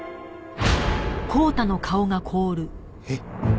えっ？